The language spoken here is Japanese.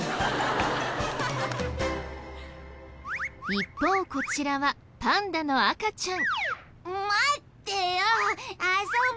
一方こちらはパンダの赤ちゃん。